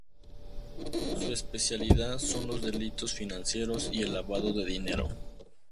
Su especialidad son los delitos financieros y el lavado de dinero.